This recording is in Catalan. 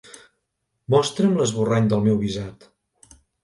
Mostra'm l'esborrany del meu visat.